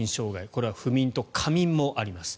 これは不眠と過眠もあります。